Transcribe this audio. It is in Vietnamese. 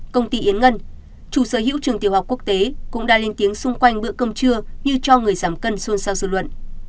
công ty yến ngân chủ sở hữu trường tiểu học quốc tế cũng đã lên tiếng xung quanh bữa cơm trưa như cho người giảm cân xôn xao dư luận